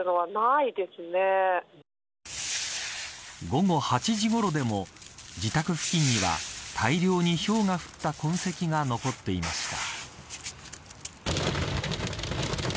午後８時ごろでも自宅付近には、大量にひょうが降った痕跡が残っていました。